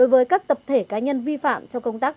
với các tập thể cá nhân vi phạm trong công tác